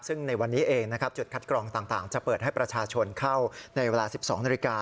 ซึ่งในวันนี้เองนะครับจุดคัดกรองต่างจะเปิดให้ประชาชนเข้าในเวลา๑๒นาฬิกา